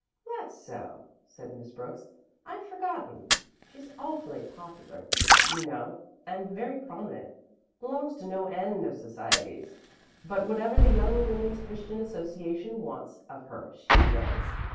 "That's so," said Miss Brooks. "I'd forgotten. She's awfully popular, you know, and very prominent, belongs to no end of societies. But whatever the Young Women's Christian Association wants of her she does.